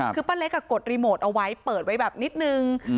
คือป้าเล็กกดรีโมทเอาไว้เปิดไว้แบบนิดนึง